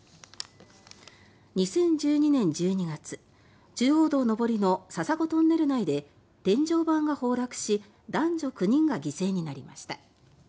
２０１２年１２月中央道上りの笹子トンネル内で天井板が崩落し男女９人が犠牲になりました。